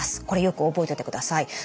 これよく覚えておいてください。